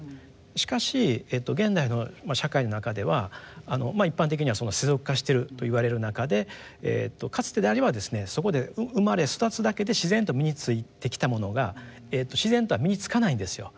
しかし現代の社会の中では一般的には世俗化してると言われる中でかつてであればそこで生まれ育つだけで自然と身についてきたものが自然とは身につかないんですよ。